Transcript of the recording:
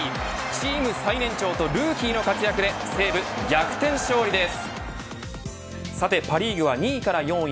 チーム最年長とルーキーの活躍で西武、逆転勝利です。